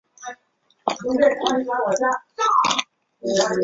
七女湖起义旧址的历史年代为清代。